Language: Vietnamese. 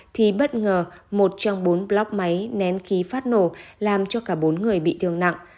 thì bất ngờ một trong bốn block máy nén khí phát nổ làm cho cả bốn người bị thương nặng